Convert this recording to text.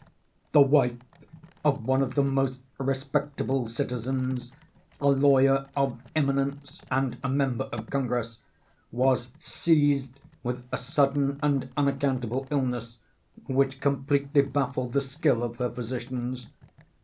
The wife of one of the most respectable citizens—a lawyer of eminence and a member of Congress—was seized with a sudden and unaccountable illness, which completely baffled the skill of her physicians.